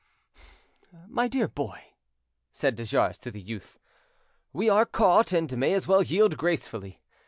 "My dear boy," said de Jars to the youth, "we are caught, and may as well yield gracefully.